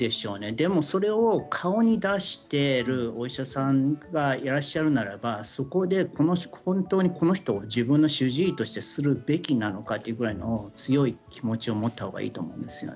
でもそれを顔に出しているお医者さんがいらっしゃるならば、そこで本当にこの人、自分の主治医にするべきかというぐらいの強い気持ちを持った方がいいと思います。